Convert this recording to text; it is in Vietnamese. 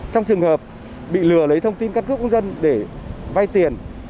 trong trường hợp bị lừa lấy thông tin căn cước công dân để vay tiền